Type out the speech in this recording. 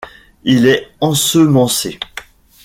Il est ensemencé.